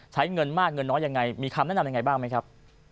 ใช้เงินมากเงินน้อยยังไงมีคำแนะนำยังไงบ้างไหมครับ